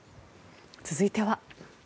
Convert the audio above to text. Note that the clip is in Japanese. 続いては。